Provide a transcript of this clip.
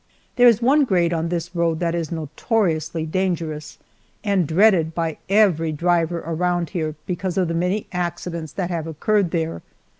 There is one grade on this road that is notoriously dangerous, and dreaded by every driver around here because of the many accidents that have occurred there.